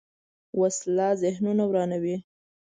وسله ذهنونه ورانوي